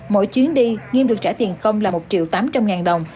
mỗi chuyến đi nghiêm được trả tiền công là một tám trăm linh đồng